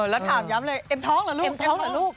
แล้วถามย้ำเลยเอ็มท้องเหรอลูก